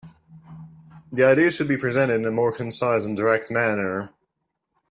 The ideas should be presented in a more concise and direct manner.